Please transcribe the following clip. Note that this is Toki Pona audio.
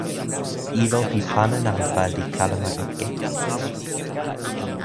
ilo pi pana nanpa li kalama ike.